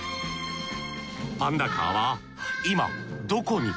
パンダカーは今どこに？